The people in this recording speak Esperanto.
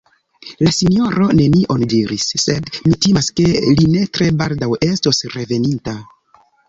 La Sinjoro nenion diris, sed mi timas, ke li ne tre baldaŭ estos reveninta.